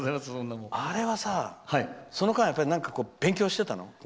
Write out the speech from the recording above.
あれはさ、その間勉強してたの？